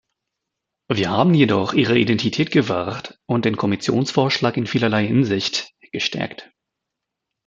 Wir haben jedoch ihre Identität gewahrt und den Kommissionsvorschlag in vielerlei Hinsicht gestärkt.